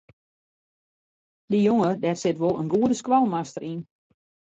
Dy jonge dêr sit wol in goede skoalmaster yn.